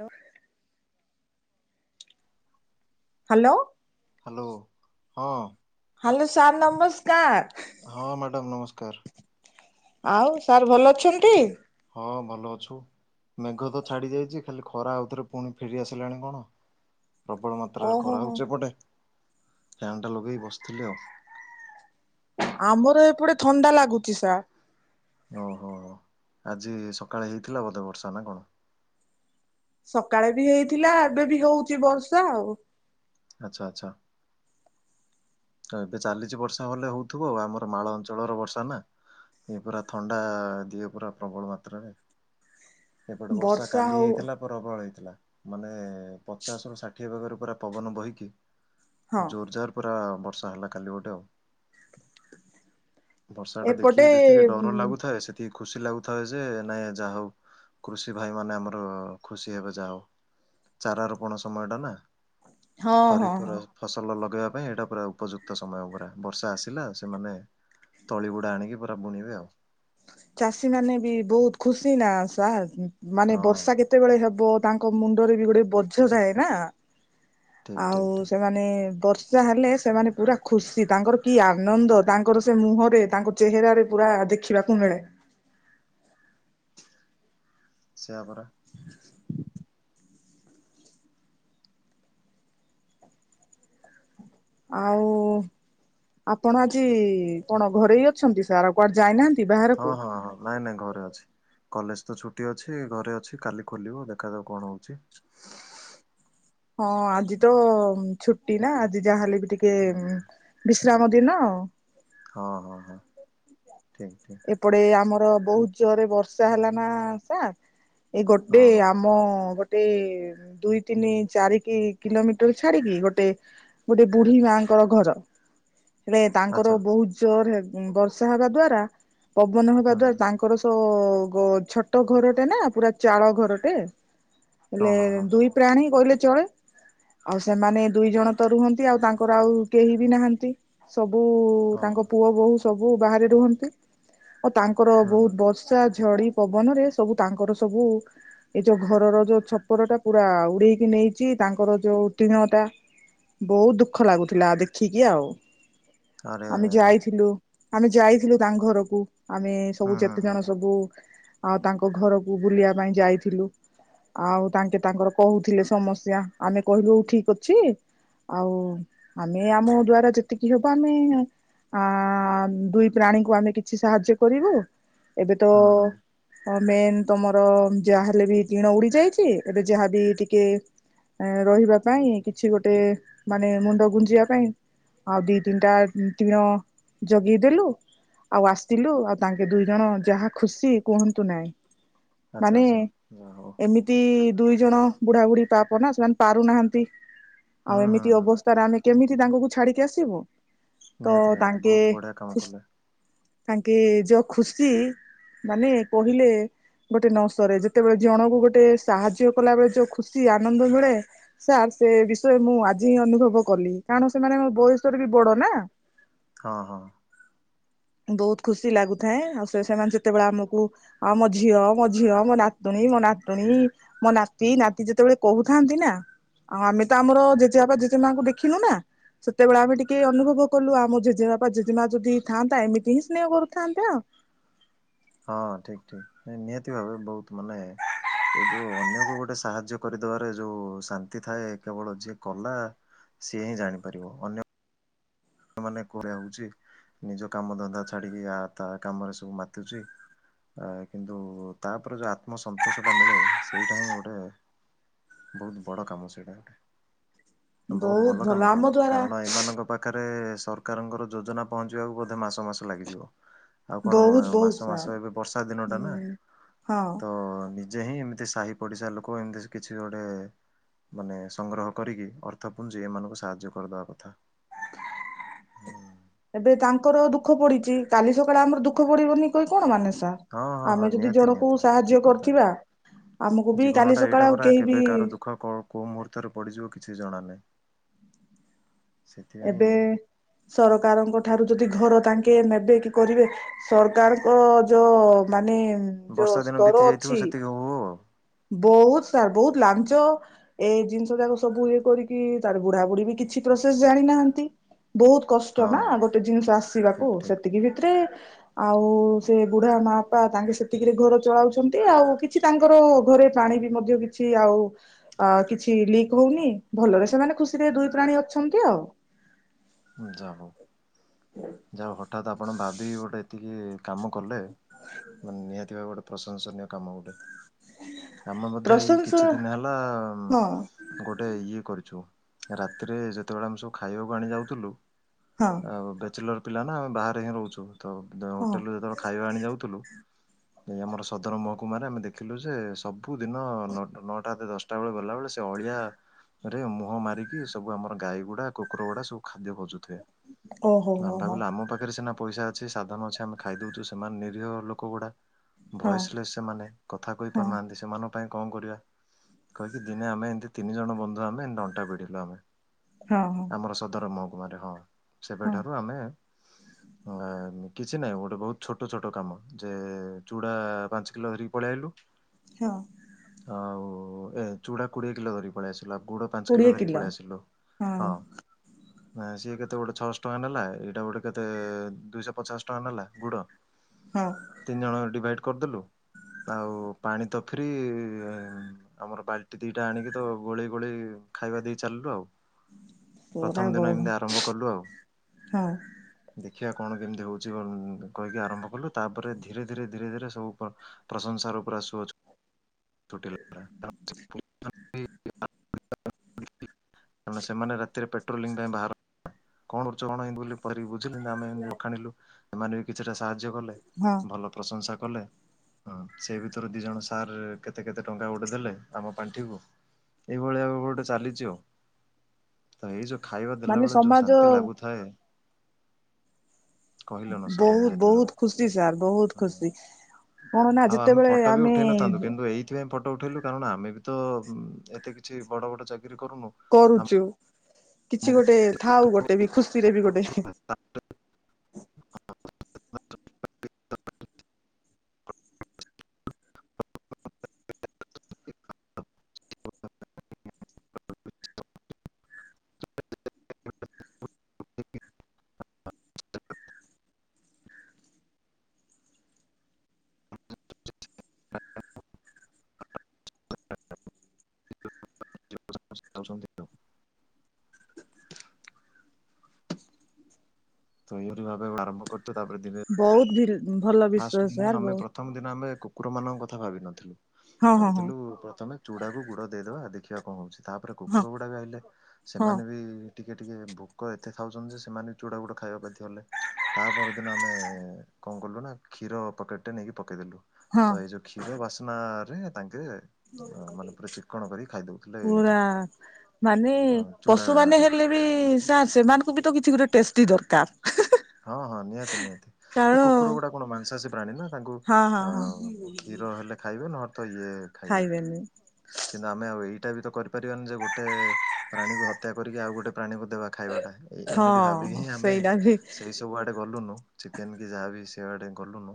Hello! Hello. Hello. ହଁ। Hello. Sir ନମସ୍କାର। ହଁ, ମ୍ୟାଡ଼ାମ ନମସ୍କାର। ଆଉ ସାର୍ ଭଲ ଅଛନ୍ତି? ହଁ, ଭଲ ଅଛୁ। ମେଘ ତ ଛାଡି ଯାଇଛି ଖାଲି ଖରା ଆଉଥରେ ପୁଣି ଫେରି ଆସିଲାଣି କଣ? ପ୍ରବଳ ମାତ୍ରାରେ ଓହୋ ଖରା ହୋ ହଉଛି ଏପଟେ ଫ୍ୟାନ ଟା ଲଗେଇ ବସିଥିଲି ଆଉ। ଆମର ଏପଟେ ଥଣ୍ଡା ଲାଗୁଛି ସାର୍। ଓହୋ! ହୋ ଆଜି ସକାଳେ ହେଇଥିଲା ବୋଧେ ବର୍ଷା ନା କଣ? ସକାଳେ ବି ହେଇଥିଲା ଏବେ ବି ହଉଛି ବର୍ଷା ଆଉ। ଆଚ୍ଛା ଆଚ୍ଛା। ତ ଏବେ ଚାଲିଛି ବର୍ଷା ହେଲେ ହଉଥିବ ଆଉ ଆମର ମାଳ ଅଞ୍ଚଳର ବର୍ଷା ନା ଏଇ ପୁରା ଥଣ୍ଡା ଦିଏ ପୁରା ପ୍ରବଳ ମାତ୍ରାରେ। ଏପଟେ ବର୍ଷା କାଲି ହେଇଥିଲା ପ୍ରବଳ ହେଇଥିଲା ମାନେ ପଚାଶ ରୁ ଷାଠିଏ ବେଗରେ ପୁରା ପବନ ବହିକି ହଁ ଜୋରଜାର ପୁରା ବର୍ଷା ହେଲା କାଲି ଗୋଟେ ଆଉ। ବର୍ଷା ଟା ଏପଟେ ଦେଖିକି ଯେତିକି ଡର ଲାଗୁଥାଏ ସେତିକି ଖୁସି ଲାଗୁଥାଏ ଯେ ନାଇଁ ଯାହା ହଉ କୃଷି ଭାଇ ମାନେ ଆମର ଖୁସି ହେବେ ଯାହା ହଉ। ଚାରା ରୋପଣ ସମୟ ଟା ନା ହଁ ହଁ ଖରିଫ ହଁ। ଫସଲ ଲଗେଇବା ପାଇଁ ଏଇଟା ପୁରା ଉପଯୁକ୍ତ ସମୟ ପୁରା ବର୍ଷା ଆସିଲା ସେମାନେ ତଳି ଗୁଡା ଆଣିକି ପୁରା ବୁଣିବେ ଆଉ। ଚାଷୀ ମାନେ ବି ବହୁତ ଖୁସି ନା ସାର୍ ମାନେ ହଁ ବର୍ଷା କେତେବେଳେ ହବ? ତାଙ୍କ ମୁଣ୍ଡରେ ବି ଗୋଟେ ବୋଝ ଥାଏ ନା ଠିକ୍ ଆଉ ଠିକ୍ ଠିକ୍ ସେମାନେ ବର୍ଷା ହେଲେ ସେମାନେ ପୁରା ଖୁସି ତାଙ୍କର କି ଆନନ୍ଦ ତାଙ୍କର ସେ ମୁହଁରେ ତାଙ୍କ ଚେହେରାରେ ପୁରା ଦେଖିବାକୁ ମିଳେ। ସେଇଆପରା। ଆଉ ଆପଣ ଆଜି କଣ ଘରେ ହିଁ ଅଛନ୍ତି ସାର୍ ଆଉ କୁଆଡେ ଯାଇନାହାନ୍ତି? ହଁ ବାହାରକୁ? ହଁ ହଁ ନାଇଁ ନାଇଁ ଘରେ ଅଛି। କଲେଜ ତ ଛୁଟି ଅଛି ଘରେ ଅଛି କାଲି ଖୋଲିବ ଦେଖାଯାଉ କଣ ହଉଛି? ହଁ ଆଜି ତ ଛୁଟି ନା ଆଜି ଯାହାହେଲେ ବି ଟିକେ ହୁଁ ହୁଁ। ବିଶ୍ରାମ ଦିନ। ହଁ ହଁ ହଁ। ଠିକ୍ ଠିକ୍ ଏପଟେ ଆମର ବହୁତ ଜୋରରେ ବର୍ଷା ହେଲା ନା ସାର୍। ଏଇ ହଁ ଗୋଟେ ହଁ ଆମ ଗୋଟେ ଦୁଇ ତିନି ଚାରି କି କିଲୋମିଟର ଛାଡିକି ଗୋଟେ ଗୋଟେ ବୁଢୀ ମାଙ୍କର ଘର। [inaudible] ହେଲେ ତାଙ୍କର ଆଚ୍ଛା ବହୁତ ଜୋର ବର୍ଷା ହବା ଦ୍ଵାରା ପବନ ହବା ହୁଁ ହୁଁ ଦ୍ଵାରା ତାଙ୍କର ସ ଛୋଟ ଘରଟେ ନା ପୁରା ଚାଳ ଘରଟେ। ହଁ ହେଲେ ହଁ ହଁ ଦୁଇ ପ୍ରାଣୀ କହିଲେ ଳେ ଆଉ ସେମାନେ ଦୁଇ ଜଣ ତ ରୁହନ୍ତି ଆଉ ତାଙ୍କର ଆଉ କେହି ବି ନାହାନ୍ତି ସବୁ ସବୁ ହଁ ହଁ ତାଙ୍କ ପୁଅ ବୋହୂ ସବୁ ବାହାରେ ରୁହନ୍ତି। ଓ ତାଙ୍କର ହୁଁ ହୁଁ ବହୁତ ବର୍ଷା ଝଡି ପବନ ରେ ସବୁ ତାଙ୍କର ସବୁ ଏଇ ଯୋଉ ଘରର ଯୋଉ ଛପର ଟା ପୁରା ଉଡେଇକି ନେଇଛି। ତାଙ୍କର ଯୋଉ ଟିଣ ଟା ବହୁତ ଦୁଃଖ ଲାଗୁଥିଲା ଦେଖିକି ଆଉ। ଆରେ ଆରେ ଆମେ ଆରେ ଯାଇଥିଲୁ ଆମେ ଯାଇଥିଲୁ ତାଙ୍କ ଘରକୁ। ଆମେ ହୁଁ ସବୁ ହୁଁ ଯେତେ ହୁଁ ଜଣ ସବୁ ଆଉ ତାଙ୍କ ଘରକୁ ବୁଲିବା ପାଇଁ ଯାଇଥିଲୁ। ଆଉ ତାଙ୍କେ ତାଙ୍କର କହୁଥିଲେ ସମସ୍ୟା ଆମେ କହିଲୁ ଠିକ ଅଛି। ଆଉ ଆମେ ଆମ ଦ୍ଵାରା ଯେତିକି ହବ ଆମେ ଆ ଦୁଇ ପ୍ରାଣୀଙ୍କୁ ଆମେ କିଛି ସାହାଯ୍ୟ କରିବୁ ଏବେ ତ ହୁଁ ହୁଁ ମେନ୍ ତମର ଯାହାହେଲେ ବି ଟିଣ ଉଡି ଯାଇଛି ଏବେ ଯାହାବି ଟିକେ ଏ ରହିବା ପାଇଁ କିଛି ଗୋଟେ ମାନେ ମୁଣ୍ଡ ଗୁଞ୍ଜିବା ପାଇଁ ଆଉ ଦି ତିନିଟା ଟିଣ ଜଗେଇଦେଲୁ। ଆଉ ଆସିଥିଲୁ ଆଉ ତାଙ୍କେ ଦୁଇ ଜଣ ଯାହା ଖୁସି କୁହନ୍ତୁ ନାଇଁ। ଆଚ୍ଛା ମାନେ ଆଚ୍ଛା ଯା ହଉ ଏମିତି ଦୁଇ ଜଣ ବୁଢ଼ା ବୁଢ଼ୀ ପାପ ନା ସେମାନେ ପାରୁନାହାନ୍ତି ହୁଁ ଆଉ ହୁଁ ଏମିତି ହୁଁ। ଅବସ୍ଥାରେ ଆମେ କେମିତି ତାଙ୍କୁକୁ ଛାଡିକି ଆସିବୁ। ତ ନିହାତି ନିହାତି ତାଙ୍କେ ବହୁତ ବଢ଼ିଆ କାମ ଖୁସ୍ କଲେ। ତାଙ୍କେ ଯୋଉଁ ଖୁସି ମାନେ କହିଲେ ଗୋଟେ ନ ସରେ ଯେତେବେଳେ ଜଣକୁ ଗୋଟେ ସାହାଯ୍ୟ କଲା ବେଳେ ଯୋଉଁ ଖୁସି ଆନନ୍ଦ ମିଳେ ସେ ବିଷୟ ମୁଁ ଆଜି ହିଁ ଅନୁଭବ କଲି କାରଣ ସେମାନେ ବୟସରେ ବି ବଡ଼ ନା। ହଁ ହଁ। ବହୁତ ଖୁସି ଲାଗୁଥାଏ ଆଉ ସେ ସେମାନେ ଯେତେବେଳେ ଆମକୁ ଆମ ଝିଅ ମୋ ଝିଅ ମୋ ନାତି ତୁଣୀ ମୋ ନାତୁଣୀ ମୋ ନାତି ନାତି ଯେତେବେଳେ ଆଉ ଆମେ ତ ଆମର ଜେଜେ ବାପା ଜେଜେ ମାଙ୍କୁ ଦେଖିଲୁ ନା? ସେତେବେଳେ ଆମେ ଟିକେ ଅନୁଭବ କଲୁ ଆମ ଜେଜେବାପା ଜେଜେମା ଯଦି ଥାନ୍ତା ଏମିତି ହିଁ ସ୍ନେହ କରୁଥାନ୍ତେ ଆଉ ହଁ ଠିକ ଠିକ ନିହାତି ଭାବେ ବହୁତ ମାନେ ଏଇ ଯୋଉଁ ଅନ୍ୟକୁ ଗୋଟେ ସାହାଯ୍ୟ କରିଦବାରେ ଯୋଉଁ ଶାନ୍ତି ଥାଏ କେବଳ ଯିଏ କଲା। ସିଏ ହିଁ ଜାଣିପାରିବ ଅନ୍ୟ ଅନ୍ୟମାନେ [unintelligible] ହଉଛି ନିଜ କାମ ଧନ୍ଦା ଛାଡିକି ଆ ତା କାମରେ ସବୁ ମାତୁଛି। ଆ କିନ୍ତୁ ତାପରେ ଯୋଉଁ ଆତ୍ମ ସନ୍ତୋଷ ଟା ମିଳେ ସେଇଟା ହିଁ ଗୋଟେ ବହୁତ ବଡ଼ କାମ ସେଇଟା ଗୋଟେ ବହୁତ ଭଲ କାମ କଲେ କାରଣ ଏମାନଙ୍କ ପାଖରେ ସରକାରଙ୍କର ଯୋଜନା ପହଞ୍ଚିବାକୁ ବୋଧେ ମାସ ମାସ ଲାଗିଯିବ। ଆଉ କଣ ବହୁତ ବହୁତ ମାସ ସା ମାସ ଏବେ ବର୍ଷା ଦିନଟା ନା ହୁଁ ହଁ ତ ଯେ ହିଁ ଏମିତି ସାହି ପଡିଶା ଲୋକ ଏମିତି କିଛି ଗୋଟେ ମାନେ ସଂଗ୍ରହ କରିକି ଅର୍ଥ ପୁଞ୍ଜି ଏମାନଙ୍କୁ ସାହାଯ୍ୟ କରିଦବା କଥା ଏବେ ତାଙ୍କର ଦୁଃଖ ପଡିଛି। କାଲି ସକାଳେ ଆମର ଦୁଃଖ ପଡିବନି କହି କଣ ମାନେ ହଁ ହଁ ହଁ ଆମେ ଯଦି ନିହାତି ଜଣଙ୍କୁ ନିହାତି ଠିକ ସାହାଯ୍ୟ କଥା। କରୁଥିବା ଜୀବନଟା ଏଇଟା ପରା କେବେ କାହାର ଦୁଃଖ କୋଉ ମୁହୂର୍ତ୍ତରେ ପଡିଯିବ କିଛି କିଛି ଜଣା ନାହିଁ। ଏବେ ସେଥିପାଇଁ ସରକାରଙ୍କ ଠାରୁ ଯଦି ଘର ତାଙ୍କେ ନେବେ କି କରିବେ ସରକାରଙ୍କ ଯୋଉଁ ମାନେ ହୁଁ ବର୍ଷା ଯୋଉଁ ଦିନ ବିତି ସ୍ତର ଯାଇଥିବ ଅଛି। ସେତିକି ହଉ ହଉ ଆଉ ବହୁତ ସାର ବହୁତ ଲାଞ୍ଚ ଏ ଜିନିଷ ଯାକ ସବୁ ଇଏ କରିକି ତାର ବୁଢାବୁଢ଼ୀ ବି କିଛି ପ୍ରୋସେସ ଜାଣିନାହାନ୍ତି। ବହୁତ କଷ୍ଟ ହଁ ନା ହଁ ଗୋଟେ ଜିନିଷ ଆସିବାକୁ ଠିକ ସେତିକି ଭିତରେ ଆଉ ସେ ବୁଢା ମା ବାପା ତାଙ୍କେ ସେତିକିରେ ଘର ଚଳାଉଛନ୍ତି। ଆଉ କିଛି ତାଙ୍କର ଘରେ ପାଣି ବି ମଧ୍ୟ କିଛି ଆଉ ଅ କିଛି ଲିକ୍ ହଉନି ଭଲରେ ସେମାନେ ଖୁସିରେ ଦୁଇ ପ୍ରା ପା ଅଛନ୍ତି ଆଉ ଯାହା ହେଉ ଯାଉ ହେଉ ହଠାତ୍ ଆପଣ ଭାବି ଗୋଟେ ଏତିକି କାମ କଲେ ମାନେ ନିହାତି ଭାବେ ଗୋଟେ ପ୍ରଶଂସନୀୟ କାମ ଗୋଟେ ଆମେ ମଧ୍ୟ ଏଇ ପ୍ରଶଂସା କିଛି ଦିନ ହେଲା ହଁ ଗୋଟେ ଇଏ କରିଛୁ। ରାତିରେ ଯେତେବେଳେ ଆମେ ସବୁ ଖାଇବାକୁ ଆଣି ଯାଉଥିଲୁ ହଁ ଆଉ ବ୍ୟାଚଲର ପିଲା ନା ଆମେ ବାହାରେ ହିଁ ରହୁଛୁ ତ ହଁ ହୋଟେଲୁରୁ ଯେତେବେଳେ ଖାଇବା ଆଣି ଯାଉଥିଲୁ। ଏଇ ଆମର ସଦର ମହକୁମାରେ ଆମେ ଦେଖିଲୁ ଯେ ସବୁ ଦିନ ନଅଟା ନ‌ଅଟା ଆତେ ଦଶଟା ବେଳେ ଗଲା ବେଳେ ସେ ଅଳିହାରେ ମୁହଁ ମାରିକି ସବୁ ଆମର ଗାଈ ଗୁଡା କୁକୁର ଗୁଡା ସବୁ ଖାଦ୍ୟ ଖୋଜୁଥିବେ। ଓହୋ ହୋ ଆମେ ହୋ ଭାବିଲୁ ଆମ ପାଖରେ ସିନା ପଇଷା ଅଛି ସାଧନ ଅଛି ଆମେ ଖାଇଦୋଉଚୁ ସେମାନେ ନିରୀହ ଲୋକ ଗୁଡା। ହଁ ଭଏସ ଲେସେ ସେମାନେ କଥା କହି ହଁ ପାରୁନାହନ୍ତି ସେମାନ ପାଇଁ କଣ କରିବା କହିକି ଦିନେ ଆମେ ଏମିତି ତିନି ଜଣ ବନ୍ଧୁ ଆମେ ଏମତି ନଣ୍ଟା [unintelligible] ବିଢିଲୁ ଆମେ। ହଁ ହଁ‌। ବ୍ରହ୍ମକୁମାରୀ ହଁ ସେବେ ଠାରୁ ଆମେ [unintelligible] ଅ ଏଁ କିଛି ନାହିଁ ଗୋଟେ ବୋହୁତ ଛୋଟ ଛୋଟ କାମ ଯେ ଚୁଡା ପାଞ୍ଚ କିଲୋ ଧରିକି ପଳେଇ ଆଇଲୁ। ହଁ। ଆଉ ଏ ଚୁଡା କୋଡିଏ କିଲୋ ଧରିକି ପଳେଇ ଆସି ଲା ଗୁଡ ପାଞ୍ଚ କିଲୋ ଧରି ପଳେଇ ଆସିଲୁ ହଁ। ନା ସିଏ କେତେ ଗୋଟେ ଛଅଶ ଟଙ୍କା ନେଲା। ଏଇଟା ଗୋଟେ କେତେ ଦୁଇଶ ପଚାଶ ଟଙ୍କା ନେଲା ଗୁଡ। ହଁ ତିନି ଜଣ ଡିଭାଇଡି କରିଦେଲୁ। ଆଉ ପାଣି ତ ଫ୍ରି ଆମର ବାଲ୍ଟି ଦିଟା ଆଣିକି ତ ଗୋଳେଇ ଗୋଳେଇ ଖାଇବା ଦେଇ ଚାଲିଲୁ ଆଉ। [unintelligible] ପ୍ରଥମ ଦିନ ବହୁ ଏମିତି ହଁ ଆରମ୍ଭ କଲୁ ଆଉ ଦେ ଖିଆ କଣ କେମିତି ହେଉଛି କହିକି ଆରମ୍ଭ କଲୁ ତାପରେ ଧୀରେ ଧୀରେ ଧୀରେ ଧୀରେ ସବୁ ପ୍ର ପ୍ରଶଂସାର ର ଆସୁଅଛି [unintelligible] [unintelligible] ସେମାନେ ରାତିରେ ପେଟୋଲିଙ୍ଗ ପାଇଁ ବାହାର କଣ କରୁଚ କଣ ଏମିତି ବୋଲିି ପଚାରିକି ବୁଝିଲେ ଆମେ ଏନ୍ତି ବଖାଣିଲୁ ସେମାନେ ବି କିଛିଟା ସାହାଯ୍ୟ କଲେ ହଁ ଭଲ ପ୍ରଶଂସା କଲେ। ହଁ ସେ ଭିତରୁ ଦି ଜଣ ସାର୍ କେତେ କେତେ ଟଙ୍କା ଗୋଟେ ଦେଲେ ଆମ ପାଣ୍ଠିକୁ। ଏଇଭଳିଆ ଏବେ ଗୋଟେ ଚାଲିଚି ଆଉ ତ ଏଇ ଯୋଉ ଖାଇବା ଦେଲା ମାନେ ବେଳେ ଯୋଉ ସମାଜ ଶାନ୍ତି ଲାଗୁଥାଏ। କହିଲେ ନ ସରେ ବହୁତ ନିହାତି ଭାବେ। ବହୁତ ଖୁସି ସାର୍ ବହୁତ ହଁ ଖୁସି। କଣ ନା ଆଉ ଆମେ ଯେତେବେଳେ ଫଟୋ ବି ଆମେ ଉଠେଇ ନଥାନ୍ତୁ କିନ୍ତୁ ଏଇଥିପାଇଁ ଫଟ ଫଟ ଉଠେଇଲୁ କାରଣ ଆମେ ବି ତ ଏତେ କିଛି ବଡ ବଡ ଚାକିରରି କରୁନୁ ଅମ୍ କରୁଛୁ କିଛି ଗୋଟେ ଥାଉ ଗୋଟେ ବି ଖୁସିରେ ବି ଗୋଟେ। [unintelligible] [unintelligible] [unintelligible] [unintelligible] [unintelligible] ତ ଏଇ ଭଳି ଭାବେ ଆରମ୍ଭ କରୁ ବହୁତ ଧିରେ। ଫାଷ୍ଟ ଦିନ ଆମେ ପ୍ରଥମ ଦିନ ଆମେ କୁକୁର ମାନଙ୍କ କଥା ଭାବିନଥିଲୁ। ହଁ ହଁ ହଁ ଭାବିଥିଲୁ ପ୍ରଥମେ ଚୁଡା କୁ ଗୁଡ ଦେଇଦବା ଦେଖିବା କଣ ହଉଚି। ତାପରେ ହଁ କୁକୁର ଗୁଡ଼ାକ ଆଇଲେ ହଁ ସେମାନେ ବି ଟିକେ ଟିକେ ଭୋକ ଏତେ ଖାଉଚନ୍ତି ଯେ ସେମାନେ ବି ଚୁଡ଼ାଗୁଡ ଖାଇବା ବାଧ୍ୟ ହେଲେ ତା ପରଦିନ ଆମେ କଣ କଲୁ ନା କ୍ଷୀର ପକେଟରେ ନେଇକି ପକେଇଦେଲୁ ହଁ ତ ଏଇ ଯୋଉ କ୍ଷୀର ବାସ୍ନା ରେ ତାଙ୍କେ- ମାନେ ପୁରା ଚିକଣ କରି ଖାଇ ଦଉଥିଲେ ପୁରା। ଏଇଟା। ମାନେ ଅ ଚୁଡା ପଶୁମାନେ ଟା ହେଲେ ବି ସେମାନଙ୍କୁ ବି ତ କିଛି ଗୋଟେ ଟେଷ୍ଟି ଦରକାର। ହଁ ହଁ ନିହାତି ନିହାତି ଏ କାରଣ କୁକୁର ଗୁଡା କଣ ମାଂସାସୀ ପ୍ରାଣୀ ନା। ତାଙ୍କୁ ହଁ ହଁ ହଁ ଅ କ୍ଷୀର ହେଲେ ଖାଇବେ ନହଲେ ତ ଇଏ ଖାଇବେ। ଖାଇବେନି କିନ୍ତୁ ଆମେ ଆଉ ଏଇଟା ବି ତ କରିପାରିବାନି ଯେ ଗୋଟେ ପ୍ରାଣୀକୁ ହତ୍ୟା କରିକି ଆଉ ଗୋଟେ- ପ୍ରାଣୀକୁ ଦେବା ଖାଇବାଟା ଏଇ ଏମିତି ଭାବିକି ହଁ ହିଁ ଆମେ ସେଇଟା ବି ସେଇ ସବୁ ଆଡେ ଗଲୁନୁ। ଚିକେନ କି ଯାହାବି ସେଆଡେ ଗଲୁନୁ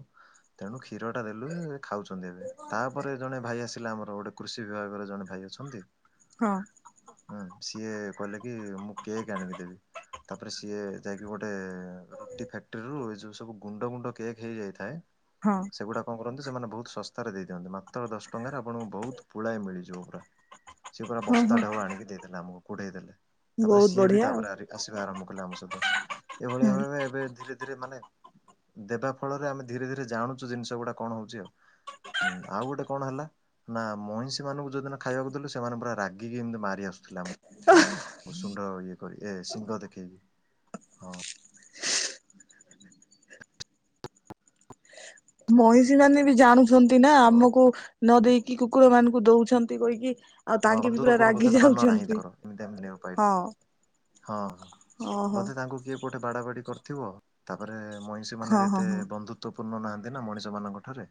ତେଣୁ କ୍ଷୀର ଟା ଦେଲୁ। ଖାଉଛନ୍ତି ଏବେ, ତାପରେ ଜଣେ ଭାଇ ଆସିଲା ଆମର ଗୋଟେ କୃଷି ବିଭାଗର ଜଣେ ଭାଇ ଅଛନ୍ତି ହଁ ହୁଁ, ସିଏ କହିଲେ କି -ମୁଁ କେକ ଆଣିକି ଦେବି। ତାପରେ ସିଏ ଯାଇକି ଗୋଟେ ରୁଟି ଫକ୍ଟ୍ରି ରୁ ଏ ଯୋଉ ସବୁ ଗୁଣ୍ଡ ଗୁଣ୍ଡ କେକ୍ ହେଇଯାଇଥାଏ ହଁ ସେଗୁଡା କଣ କରନ୍ତି, ସେମାନେ ବହୁତ ଶସ୍ତାରେ ଦେଇ ଦିଅନ୍ତି, ମାତ୍ର ଦଶ ଟଙ୍କାରେ ଆପଣଙ୍କୁ ବହୁତ ପୁଳାଏ ମିଳିଯିବ ପୁରା, ସିଏ ପୁରା ହଁ ବସ୍ତା ହଁ ଢକୁ ଆଣିକି ଦେଇଦଲେ ଆମକୁ, କୁଢେଇ ଦେଲେ। ତାପରେ ବହୁତ ସିଏ ବି, ବଢିଆ ଆଉ ତାପରେ ଆସିବା ଆରମ୍ଭ କଲେ ଆମ ସହିତ, ହୁଁ ଏଇଭଳିଆ ଭ ଏବେ ଧୀରେ ଧୀରେ ମାନେ ଦେବା ଫଳରେ ଆମେ ଧୀରେ ଧୀରେ ଜାଣୁଛୁ ଜିନିଷ ଗୁଡା କଣ ହଉଛି ଆଉ ହୁଁ, ଆଉ ଗୋଟେ କଣ ହେଲା ନା ମଇଁଷି ମାନଙ୍କୁ ଯଉଦିନ ଖାଇବାକୁ ଦେଲୁ ସେମାନେ ପୁରା ରାଗିକି ଏମିତି ମାରି ଆସୁଥିଲା ଆମକୁ ତାକୁ ସୁଣ୍ଢ ର ଇଏ କରି ଏ ସିଙ୍କ ଦେଖେଇକି, ହଁ ମଇଷି ମାନେ ବି ଜାଣୁଛନ୍ତି ନା ହଁ ଆମକୁ ନ ଦେଇକି, କୁକୁର ମାନଙ୍କୁ ଦଉଛନ୍ତି କହିକି ଆଉ ହଁ ତାଙ୍କେ ବି ବନ୍ଧୁ ପୁରା ରାଗି ପୂର୍ବ ନାହିଁ ଯାଉଛନ୍ତି ଧର ଏମିତିମିତି ପାଇ ହଁ [unintelligible] ହଁ, ହଁ ଓହୋ ବୋଧେ ତାଙ୍କୁ କିଏ? ବାଡ ବାଡି କରିଥିବ, ତାପରେ ମଇଁଷି ମାନେ ହଁ ବି ହଁ ଏତେ ହଁ ବନ୍ଧୁତ୍ବ ପୂର୍ଣ୍ଣ ନାହାନ୍ତି ନା ମଣିଷ ମାନଙ୍କ ଠାରେ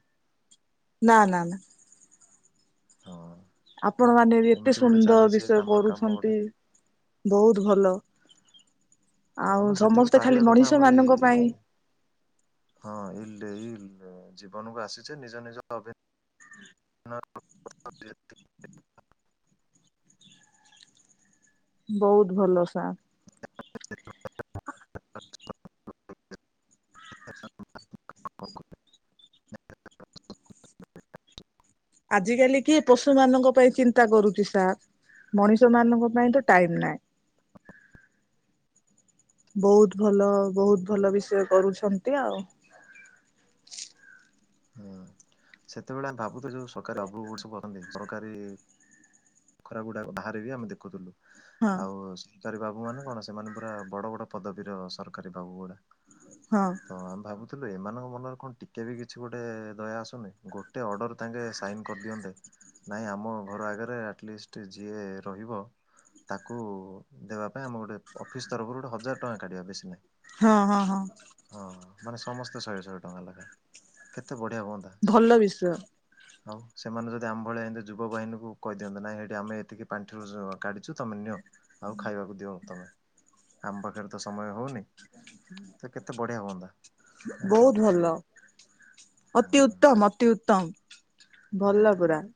ନା ନା ନା ହଁ [inaudible] ଆପଣ ମାନେ ବି ଏତେ ଏମିତି ଗୋଟେ ସୁନ୍ଦର ଚାଲିଛି ବିଷୟ କାମ କାମ କରୁଛନ୍ତି? ଗୋଟେ ବହୁତ ଭଲ। ଆଉ କଣ ଯେତିକି ସମସ୍ତେ ଖାଲି ପାରିବା କଥା, ମଣିଷ ଆମର ମାନଙ୍କ ଏଇ, ପାଇଁ ହଁଇ ଜୀବନକୁ ଆସିଛେ ନିଜ ନିଜ [inaudible] [unintelligible] ବହୁତ ଭଲ ସା [unintelligible] [unintelligible] ଆଜ କାଲି କିଏ ପଶୁ ମାନଙ୍କ ପାଇଁ ଚିନ୍ତା କରୁଛି ସାର୍? ମଣିଷ ମାନଙ୍କ ପାଇଁ ତ ଟାଇମ ନାହିଁ। ବହୁତ ଭଲ, ବହୁତ ଭଲ ବିଷୟ କରୁଛନ୍ତି ଆଉ [unintelligible] ହୁଁ ସେତେବେଳେ ଆମେ ଭାବୁ [inaudible] ସରକାରୀ ସବୁ ଅନ୍ତି ସରକାରୀ [unintelligible] [unintelligible] ଗୁଡାକ ବାହାରେ ବିି ଆମେ ଦେଖୁଥିଲୁ। ହଁ ଆଉ ସରକାରୀ ବାବୁ ମାନେ କଣ, ସେମାନେ ପୁରା ବଡ ବଡ ପଦବୀର ସରକାରୀ ବାବୁ ଗୁଡା। ହଁ। ତ ଆମେ ଭାବୁଥିଲୁ ଏମାନଙ୍କ ମନରେ କଣ ଟିକେ ବି କି କିଛି ଗୋଟେ ଦୟା ଆସୁନି, ଗୋଟେ ଅର୍ଡର ତାଙ୍କେ ସାଇନ କରିଦିଅନ୍ତେ ନାଇଁ ଆମ ଘର ଆଗରେ ଆଟଲିଷ୍ଟ ଯିଏ ରହିବ ତାକୁ ଦେବା ପାଇଁ ଆମ ଗୋଟେ ଅଫିସ ତରଫରୁ ଗୋଟେ ହଜାର ଟଙ୍କା କାଢିବା ବେଶୀ ନାହିଁ। ହଁ ହଁ ହଁ ହଁ ମାନେ, ସମସ୍ତେ ଶହେ ଶହେ ଟଙ୍କା ଲେଖା ଏ ବଢ଼ିଆ ହୁଅନ୍ତା। ଭଲ ବିଷୟ ହଉ ସେମାନେ ଯଦି ଆମ ଭଳିଆ ଏମି ଯୁବହିନୀକୁୁ କହି ଦିଅନ୍ତେ ନାଇଁ ଇଠି ଆମେ ଏତିକି ପାଣ୍ଠି ରୁ କାଢିଛୁ ତମେ ନିଅ। ଆଉ ଖାଇବାକୁ ଦିଅ। ତମେ ଆମ ପାଖରେ ତ ସମୟ ହଉନି, ତ କେତେ ବଢିଆ ହୁଅନ୍ତା? ମାନେ ବହୁତ ଭାବୁଥିଲୁ ଭଲ, ଆଉ ଅତି ହୁଁ। ଉତ୍ତମ ଅତି ଉତ୍ତମ। ଭଲ ନିହାତି ପୁରା। ନିହାତି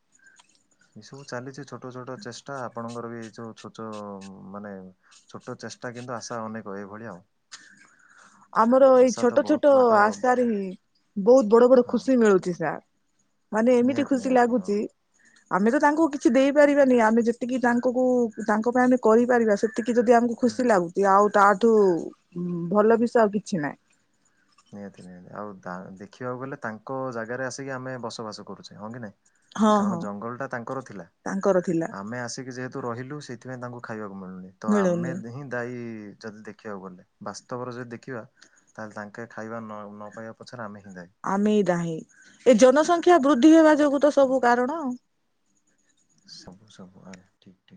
ଏସବୁ ଚାଲିଛି ଛୋଟ ଛୋଟ ଚେଷ୍ଟା ଆପଣଙ୍କର ବି ଏଇ ଯୋଉ ଛୋଟ ମାନେ ଛୋଟ ଚେଷ୍ଟା କିନ୍ତୁ ଆଶା ଅନେକ ଏଇଭଳି ଆଉ [inaudible] ଆମର ଏଇ ଆଶା ତ ଛୋଟ ବହୁତ ଛୋଟ ବାଟ ଆଶାରେ ହିଁ ବହୁତ ବଡ ବଡ ହଁ ଖୁସି ମିଳୁଛି ସାର୍। ମାନେ ଏମିତି ନିହାତି ଖୁସି ନିହାତି ହଁ ଲାଗୁଛି ଆମେ ତ ତାଙ୍କୁ କିଛି ଦେଇପାରିବାନି ଆମେ ଯେତିକି ତାଙ୍କୁକୁ ତାଙ୍କ ପାଇଁ ଆମେ କରିପାରିବା ସେତି କି ଯଦି ଆମକୁ ହୁଁ। ଖୁସି ଲାଗୁଛି ଆଉ ତାଠୁ ଭଲ ବିଷୟ ଆଉ କିଛି ନାହିଁ। ନିହାତି-ନିହାତି ଆଉ ଟା ଦେଖିବାକୁ ଗଲେ ତାଙ୍କ ଜାଗାରେ ଆସିକି ଆମେ ବସବାସ କରୁଛେ ହଁ କି ନାଇଁ? ହଁ କାରଣ ହଁ ଜଙ୍ଗଲ ଟା ତାଙ୍କର ଥିଲା ତାଙ୍କର ଥିଲା ଆମେ ଆସିକି ଯେହେତୁ ରହିଲୁ ସେଇଥିପାଇଁ ତାଙ୍କୁ ଖାଇବାକୁ ମିଳୁନି ତ ଆମେ ମିଳୁନି ହିଁ ଦାୟୀ ଯଦି ଦେଖିବାକୁ ଗଲେ। ବାସ୍ତବରେ ଯଦି ଦେଖିବା ତାହେଲେ ତାଙ୍କେ ଖାଇବା ନ-ନ ପାଇବା ପଛରେ ଆମେ ହିଁ ଦାୟୀ। ଆମେ ନାହିଁ ଏ ଜନସଂଖ୍ୟା ବୃଦ୍ଧି ହେବା ଯୋଗୁ ତ ସବୁ କାରଣ ଆଉ। ସବୁ-ସବୁ ଆ ଠିକ୍-ଠିକ୍।